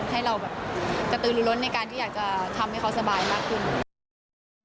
ให้เราแบบกระตือรู้ล้นในการที่อยากจะทำให้เขาสบายมากขึ้น